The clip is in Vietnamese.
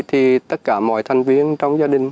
thì tất cả mọi thành viên trong gia đình